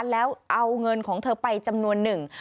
แล้วเอาเงินของเธอไปจำนวนหนึ่ง